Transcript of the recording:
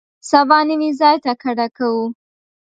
سبا نوي ځای ته کډه کوو.